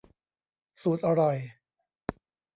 สูตรอร่อย